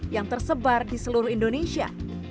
yang tersebar di seluruh indonesia